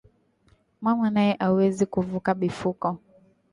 Mama naye awezi ku vuka bivuko